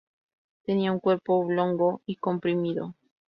Tenía un cuerpo oblongo y comprimido.